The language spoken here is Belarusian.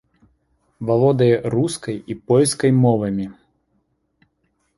Валодае рускай і польскай мовамі.